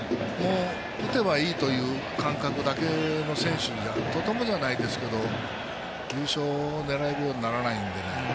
打てばいいという感覚だけの選手じゃとてもじゃないですけど優勝を狙えるようにならないので。